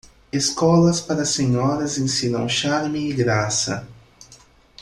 Escolas para senhoras ensinam charme e graça.